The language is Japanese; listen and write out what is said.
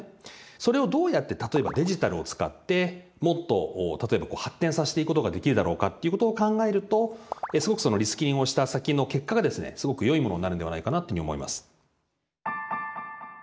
それをどうやって例えばデジタルを使ってもっと例えば発展させていくことができるだろうかっていうことを考えるとすごくそのリスキリングをした先の結果がですねすごく良いものになるんではないかなというふうに思います。